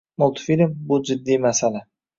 Multfilm — bu jiddiy masala